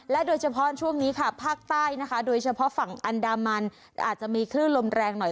โดยเฉพาะช่วงนี้ค่ะภาคใต้นะคะโดยเฉพาะฝั่งอันดามันอาจจะมีคลื่นลมแรงหน่อย